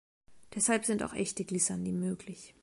Deshalb sind auch echte Glissandi möglich.